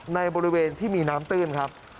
ในบริเวณที่มีน้ำตื้นครับ